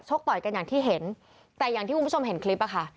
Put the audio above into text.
ต่อยกันอย่างที่เห็นแต่อย่างที่คุณผู้ชมเห็นคลิปอะค่ะ